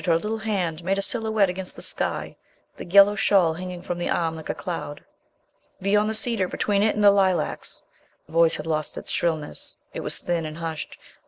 Her little hand made a silhouette against the sky, the yellow shawl hanging from the arm like a cloud. "Beyond the cedar between it and the lilacs." The voice had lost its shrillness; it was thin and hushed.